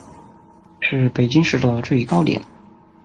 是北京市的最高点。